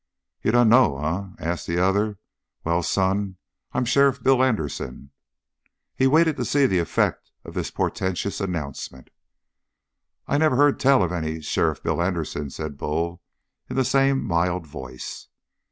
"You dunno, eh?" asked the other. "Well, son, I'm Sheriff Bill Anderson!" He waited to see the effect of this portentous announcement. "I never heard tell of any Sheriff Bill Anderson," said Bull in the same mild voice.